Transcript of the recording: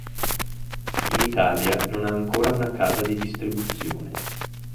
In Italia non ha ancora una casa di distribuzione.